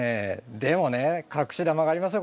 でもね隠し玉がありますよ